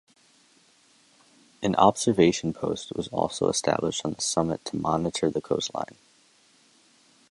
An observation post was also established on the summit to monitor the coastline.